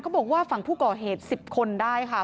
บอกว่าฝั่งผู้ก่อเหตุ๑๐คนได้ค่ะ